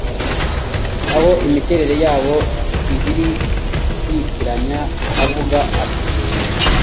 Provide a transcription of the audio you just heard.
aho imiterere yabo ibiri yitiranya akavuga ati